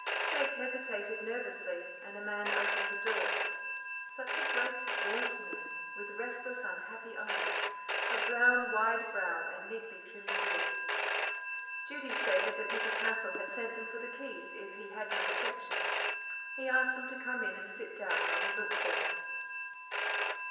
Meg hesitated nervously, and a man opened the door. Such a great, gaunt man, with restless, unhappy eyes, a brown, wide brow, and neatly trimmed beard. Judy stated that Mrs. Hassal had sent them for the keys, if he had no objection. He asked them to come in and sit down while he looked for them.